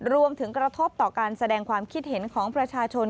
กระทบต่อการแสดงความคิดเห็นของประชาชน